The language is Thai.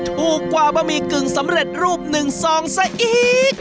ถูกกว่าบะหมี่กึ่งสำเร็จรูป๑ซองซะอีก